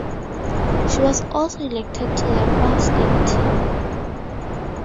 She was also elected to the all state team.